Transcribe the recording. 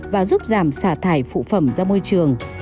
và giúp giảm xả thải phụ phẩm ra môi trường